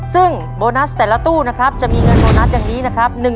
ซึ่งโบนัสแต่ละตู้นะครับจะมีเงินโบนัสอย่างนี้นะครับ